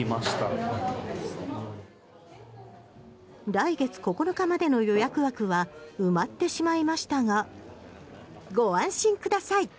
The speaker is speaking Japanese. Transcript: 来月９日までの予約枠は埋まってしまいましたがご安心ください。